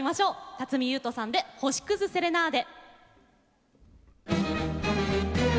辰巳ゆうとさんで「星くずセレナーデ」。